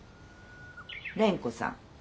蓮子さん。